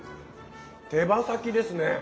手羽先ですね。